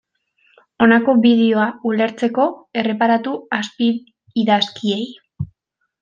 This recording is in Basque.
Honako bideoa ulertzeko, erreparatu azpiidazkiei.